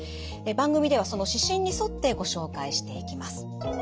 番組ではその指針に沿ってご紹介していきます。